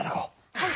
はい。